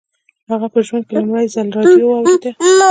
هغه په ژوند کې لومړي ځل راډيو واورېده.